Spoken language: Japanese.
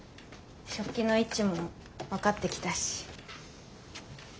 食器の位置も分かってきたし。